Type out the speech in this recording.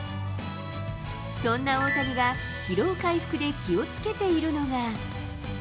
そんな大谷が、疲労回復で気をつけているのが。